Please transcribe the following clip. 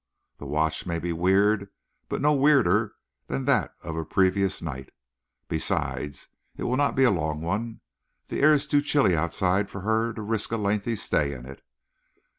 The watch may be weird, but no weirder than that of a previous night. Besides, it will not be a long one; the air is too chilly outside for her to risk a lengthy stay in it.